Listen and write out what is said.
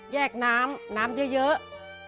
แยกน้ำน้ำเยอะ